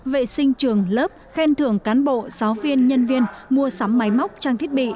vệ sinh trường lớp khen thưởng cán bộ giáo viên nhân viên mua sắm máy móc trang thiết bị